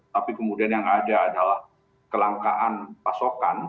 tapi kemudian yang ada adalah kelangkaan pasokan